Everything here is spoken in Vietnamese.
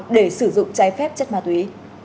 để sử dụng trái phép chất ma túy